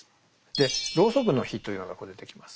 で「ロウソクの火」というのがここ出てきます。